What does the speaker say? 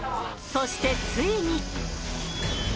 そしてついに。